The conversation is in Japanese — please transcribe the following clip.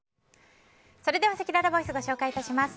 それでは、せきららボイスご紹介致します。